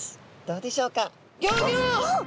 どうでしょうか。